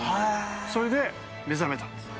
それで目覚めたんです。